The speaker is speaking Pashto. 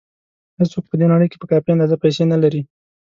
هېڅوک په دې نړۍ کې په کافي اندازه پیسې نه لري.